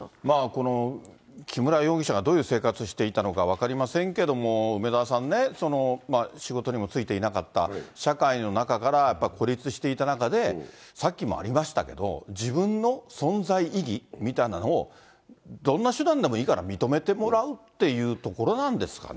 この木村容疑者がどういう生活をしていたのか分かりませんけども、梅沢さんね、仕事にも就いていなかった、社会の中からやっぱり孤立していた中で、さっきもありましたけど、自分の存在意義みたいなのを、どんな手段でもいいから認めてもらうっていうところなんですかね。